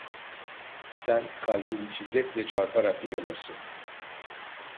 Sen, kalbin şiddetle çarparak uyanırsın.